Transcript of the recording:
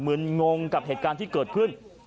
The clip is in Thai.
ึนงงกับเหตุการณ์ที่เกิดขึ้น